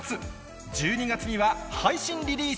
１２月には配信リリース。